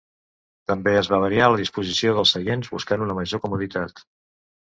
També es va variar la disposició dels seients, buscant una major comoditat.